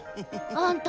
あんた